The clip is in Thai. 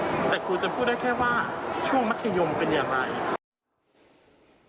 แต่ครูจะพูดได้แค่ว่าช่วงมัธยมเป็นอย่างไร